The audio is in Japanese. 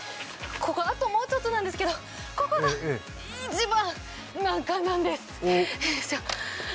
ここ、あともうちょっとなんですがここが一番、難関なんです。